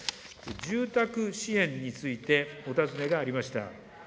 住宅支援についてお尋ねがありました。